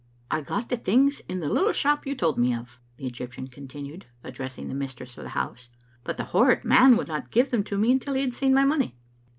" I got the things in the little shop you told me of," the Egyptian continued, addressing the mistress of the house, " but the horrid man would not give them to me until he had seen my money."